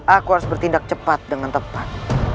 aku harus bertindak cepat dengan tepat